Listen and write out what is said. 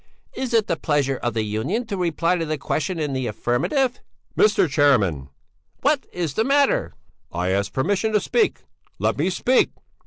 Is it the pleasure of the Union to reply to the question in the affirmative?" "Mr. Chairman!" "What is the matter?" "I ask permission to speak! Let me speak!"